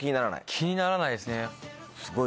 気にならないですね。